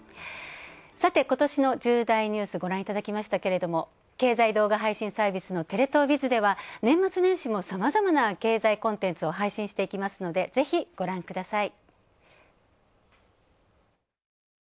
さて、ことしの重大ニュース、ご覧いただきましたけど経済動画配信サービスのテレ東ＢＩＺでは年末年始もさまざまな経済コンテンツを配信していきますので、ぜひ、ご覧ください。